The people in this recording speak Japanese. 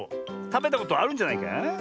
たべたことあるんじゃないか？